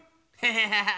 ハハハハ。